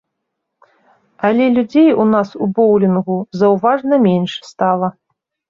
Але людзей у нас у боулінгу заўважна менш стала.